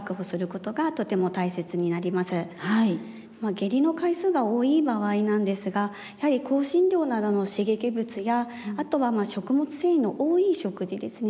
下痢の回数が多い場合なんですがやはり香辛料などの刺激物やあとは食物繊維の多い食事ですね